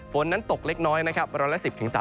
ฝนนั้นตกเล็กน้อยเวลาละ๑๐๓๐